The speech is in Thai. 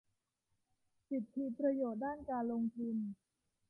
สิทธิประโยชน์ด้านการลงทุน